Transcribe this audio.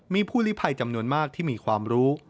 มีผู้ลิภัยจำนวนมากที่มีความรู้